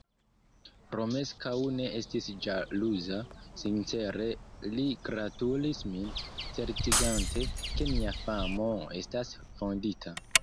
Romeskaŭ ne estis ĵaluza; sincere li gratulis min, certigante, ke mia famo estas fondita.